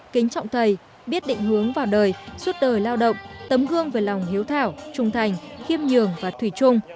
kính trọng thầy biết định hướng vào đời suốt đời lao động tấm gương về lòng hiếu thảo trung thành khiêm nhường và thủy trung